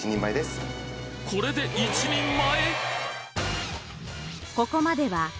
これで１人前！？